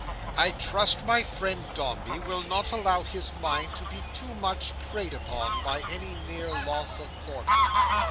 I trust my friend Dombey will not allow his mind to be too much preyed upon, by any mere loss of fortune.